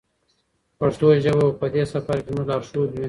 پښتو ژبه به په دې سفر کې زموږ لارښود وي.